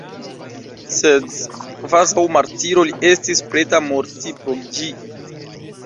Sed kvazaŭ martiro li estis preta morti pro ĝi.